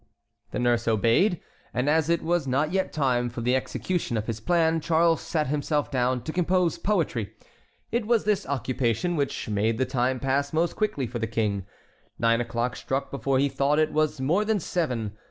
The nurse obeyed, and as it was not yet time for the execution of his plan, Charles sat himself down to compose poetry. It was this occupation which made the time pass most quickly for the King. Nine o'clock struck before he thought it was more than seven.